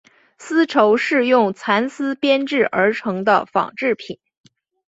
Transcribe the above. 丝绸是用蚕丝编制而成的纺织品。